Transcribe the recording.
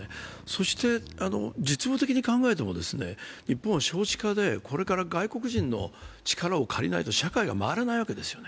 そして、実務的に考えても日本は少子化で、これから外国人の力を借りないと社会が回らないわけです。